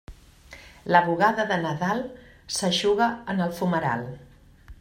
La bugada de Nadal s'eixuga en el fumeral.